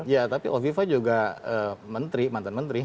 ya tapi kofifa juga menteri mantan menteri